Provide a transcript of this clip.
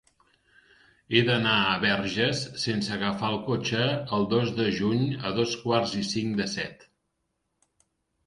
He d'anar a Verges sense agafar el cotxe el dos de juny a dos quarts i cinc de set.